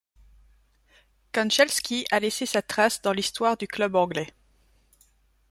Kanchelskis a laissé sa trace dans l'histoire du club anglais.